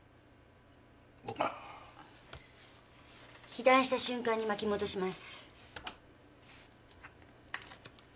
被弾した瞬間に巻き戻します。